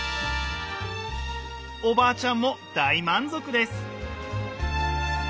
おばあちゃんも大満足です！